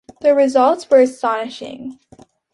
The results were astonishing.